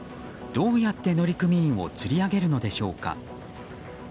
どうやって乗組員をつり上げるのでしょうか。